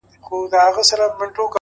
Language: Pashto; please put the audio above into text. • غزل – عبدالباري جهاني,